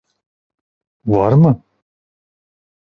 Var mı?